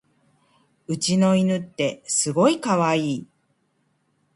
うちの犬ってすごいかわいい